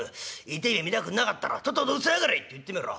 痛え目見たくなかったらとっととうせやがれ！』って言ってみろ。